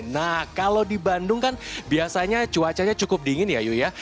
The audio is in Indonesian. nah kalau di bandung kan biasanya cuacanya cukup dingin ya ayu ya